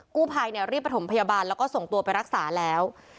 กู้ภัยรีบประถมพยาบาลแล้วก็ส่งตัวไปรักษาแล้ว